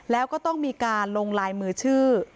แล้วก็ต้องมีการลงลายมือชื่อ